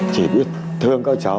chỉ biết thương các cháu